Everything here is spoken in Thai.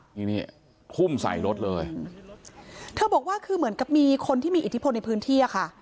นี่นี่ทุ่มใส่รถเลยเธอบอกว่าคือเหมือนกับมีคนที่มีอิทธิพลในพื้นที่อ่ะค่ะ